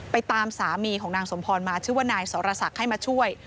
ตามสามีของนางสมพรมาชื่อว่านายสรศักดิ์ให้มาช่วย